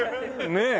ねえ。